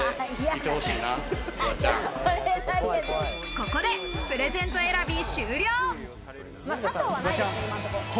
ここでプレゼント選び終了。